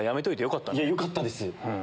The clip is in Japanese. よかったです。